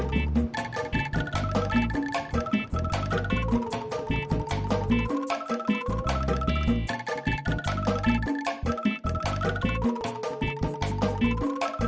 kita ke rumah